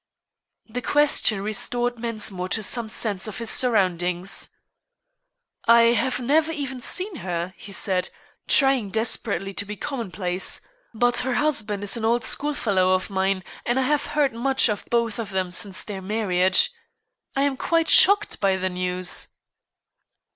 The question restored Mensmore to some sense of his surroundings. "I have never even seen her," he said, trying desperately to be commonplace; "but her husband is an old schoolfellow of mine, and I have heard much of both of them since their marriage. I am quite shocked by the news."